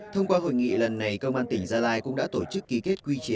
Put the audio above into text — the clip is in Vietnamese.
thông qua hội nghị lần này công an tỉnh gia lai cũng đã tổ chức ký kết quy chế